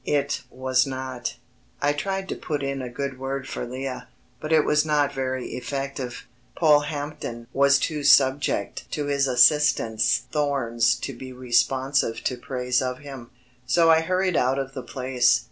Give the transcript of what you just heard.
It was not. I tried to put in a good word for Lea, but it was not very effective. Polehampton was too subject to his assistant's thorns to be responsive to praise of him. So I hurried out of the place.